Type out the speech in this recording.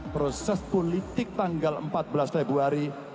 proses politik tanggal empat belas februari